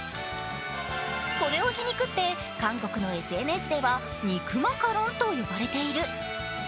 これを皮肉って、韓国のＳＮＳでは肉マカロンと呼ばれている。